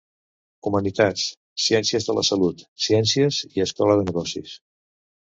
Humanitats, Ciències de la Salut, Ciències i Escola de Negocis.